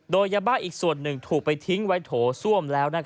โดยยาบ้าอีกส่วนหนึ่งถูกไปทิ้งไว้โถส้วมแล้ว